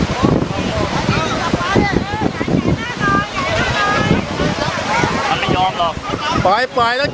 เดี๋ยวมันเข้าไปไจมันนะ